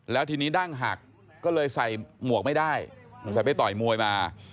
แล้วทีนี้ดั้งหักก็เลยใส่หมวกไม่ได้สงสัยไปต่อยมวยมา